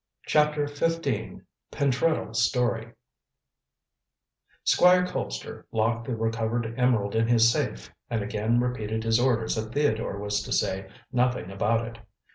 CHAPTER XV PENTREDDLE'S STORY Squire Colpster locked the recovered emerald in his safe and again repeated his orders that Theodore was to say nothing about it.